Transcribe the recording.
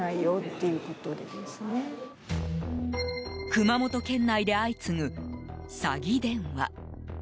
熊本県内で相次ぐ詐欺電話。